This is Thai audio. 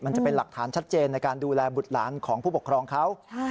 มันจะเป็นหลักฐานชัดเจนในการดูแลบุตรหลานของผู้ปกครองเขา